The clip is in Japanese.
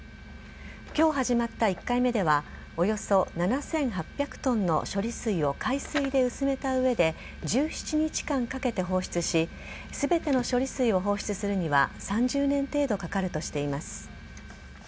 今日始まった１回目ではおよそ７８００ｔの処理水を海水で薄めた上で１７日間かけて放出し全ての処理水を放出するには３０年程度かかるとしています。